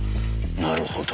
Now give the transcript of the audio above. なるほど。